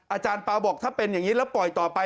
อาจารย์เปล่าบอกถ้าเป็นอย่างนี้แล้วปล่อยต่อไป